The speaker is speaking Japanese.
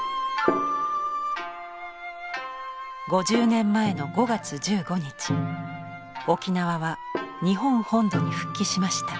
５０年前の５月１５日沖縄は日本本土に復帰しました。